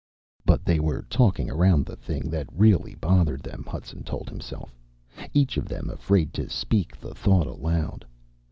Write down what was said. But they were talking around the thing that really bothered them, Hudson told himself each of them afraid to speak the thought aloud.